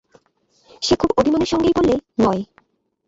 সে খুব অভিমানের সঙ্গেই বললে, নয়।